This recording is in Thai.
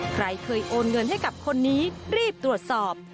ใครเคยโอนเงินให้กับคนนี้รีบตรวจสอบ